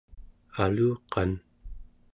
aluqan